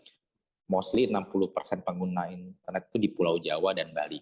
sebagian besar pengguna internet itu berada di pulau jawa dan bali